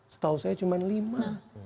setahu saya cuma lima